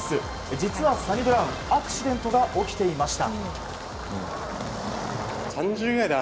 実はサニブラウンアクシデントが起きていました。